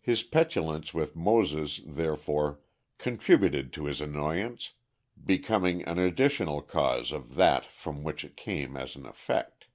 His petulance with Moses, therefore, contributed to his annoyance, becoming an additional cause of that from which it came as an effect.